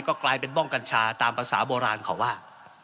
ก็กลายเป็นบ้องกัญชาตามภาษาโบราณเขาว่า